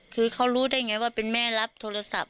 คือเขารู้ได้ไงว่าเป็นแม่รับโทรศัพท์